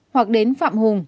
hoặc đến phạm hùng